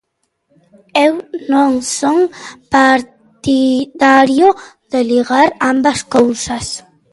Eu non son partidario de ligar ambas cousas.